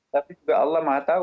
tapi juga allah maha tahu